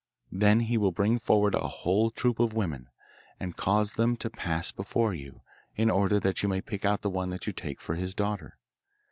Then he will bring forward a whole troop of women, and cause them to pass before you, in order that you may pick out the one that you take for his daughter.